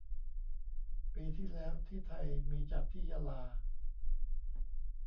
ปีที่แล้วที่ไทยมีจัดที่ยะลา